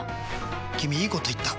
君いいこと言った！